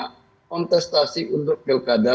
kontestasi untuk pilkada